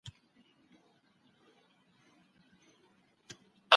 د کتاب لوستلو عادت وکړئ.